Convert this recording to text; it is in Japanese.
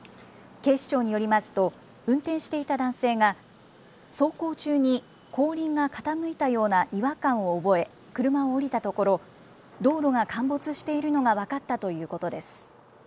警視庁によりますと、運転していた男性が走行中に後輪が傾いたような違和感を覚え、車を降りたところ、道路が陥没しているのが分かったということです。